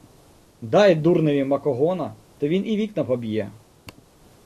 Дай дурневі макогона, то він і вікна поб’є.